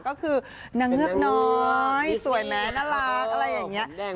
ก็คือนางเงือกน้อยสวยไหมน่ารักอะไรอย่างนี้